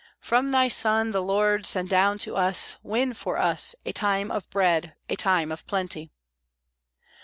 "From Thy Son the Lord Send down to us, win for us, A time of bread, a time of plenty."